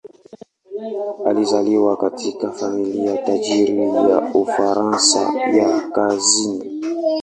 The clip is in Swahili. Alizaliwa katika familia tajiri ya Ufaransa ya kusini.